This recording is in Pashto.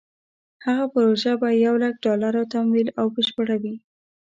هغه پروژه چې په یو لک ډالرو تمویل او بشپړېږي.